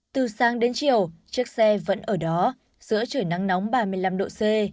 từ sáng đến chiều chiếc xe vẫn ở đó giữa trời nắng nóng ba mươi năm độ c